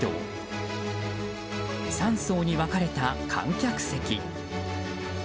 ３層に分かれた観客席。